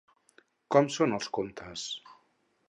Com són els contes?